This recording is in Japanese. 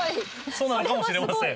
そうなのかもしれません。